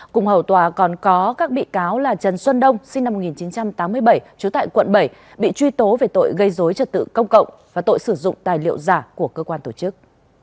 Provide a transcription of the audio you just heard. cùng hầu tòa còn có các bị cáo là trần xuân đông sinh năm một nghìn chín trăm tám mươi bảy trú tại quận bảy bị truy tố về tội gây dối trật tự công cộng và tội sử dụng tài liệu giả của cơ quan tổ chức